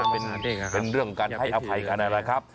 เป็นเรื่องการให้อภัยกันนะครับ